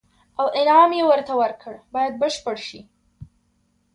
او انعام یې ورته ورکړ باید بشپړ شي.